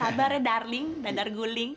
sabar ya darling dadar guling